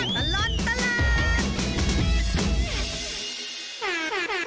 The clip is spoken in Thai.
ช่วงตลอดตลาด